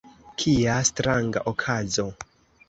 kia stranga okazo!